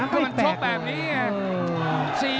มันชบแบบนี้